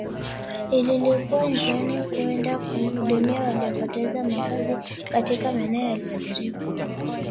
lilikuwa njiani kwenda kuwahudumia waliopoteza makazi katika maeneo yaliyoathiriwa